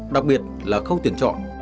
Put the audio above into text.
đặc biệt là không tiền chọn